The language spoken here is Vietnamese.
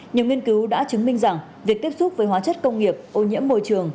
nhiều nghiên cứu đã chứng minh rằng việc tiếp xúc với hóa chất công nghiệp ô nhiễm môi trường